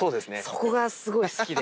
そこがすごい好きで。